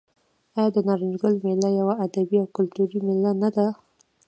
آیا د نارنج ګل میله یوه ادبي او کلتوري میله نه ده؟